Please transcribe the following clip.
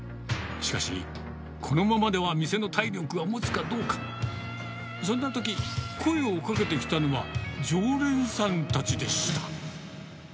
しかし、このままでは店の体力がもつかどうか、そんなとき、声をかけてきたのは、常連さんたちでした。